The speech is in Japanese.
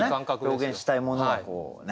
表現したいものがこうね。